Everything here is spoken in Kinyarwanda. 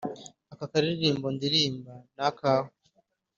aka karirimbo ndirimba nakawe